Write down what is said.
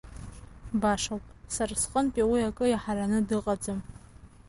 Башоуп, сара сҟынтәи уи акы иаҳараны дыҟаӡам.